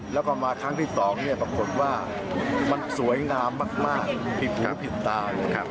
แล้วก็มาครั้งที่๒ปรากฏว่ามันสวยงามมากผิดหูผิดตา